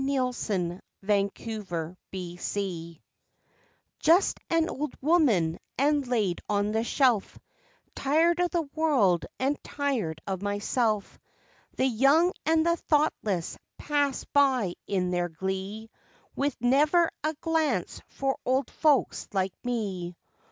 "LAID ON THE SHELF" " 'Just an old woman' and laid on the shelf, Tired of the world and tired of myself, The young and the thoughtless pass by in their glee, With never a glance for old folks like me.